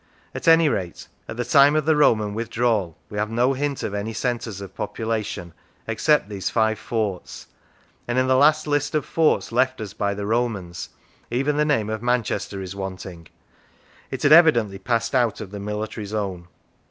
At any rate, at the time of the Roman withdrawal, we have no hint of any centres of population except these five forts, and in the last list of forts left us by the Romans, even the name of Manchester is wanting; it had evidently passed out of the military zone.